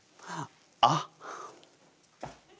あっ！